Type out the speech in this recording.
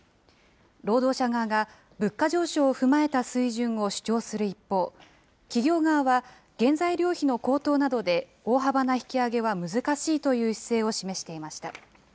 労働者側が物価上昇を踏まえた水準を主張する一方、企業側は原材料費の高騰などで、大幅な引き上げは難しいという姿勢を示していました。